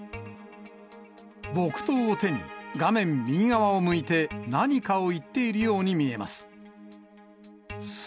木刀を手に、画面右側を向いて、何かを言っているように見えます。